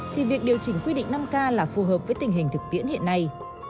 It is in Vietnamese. thì việc điều chỉnh quy định năm k là phù hợp với tình hình thực tiễn hiện nay